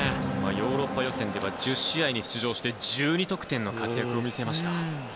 ヨーロッパ予選では１０試合に出場して１２得点の活躍を見せました。